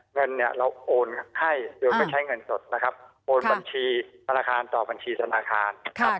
เงินเนี่ยเราโอนให้โดยไม่ใช้เงินสดนะครับโอนบัญชีธนาคารต่อบัญชีธนาคารนะครับ